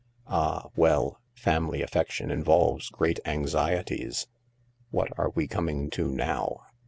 "Ah, well, family affection involves great anxieties." "What are we coming to now